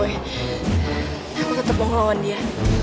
enggak boy aku tetep mau ngalahin dia